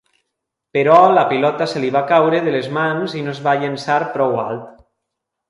Però la pilota se li va caure de les mans i no es va llençar prou alt.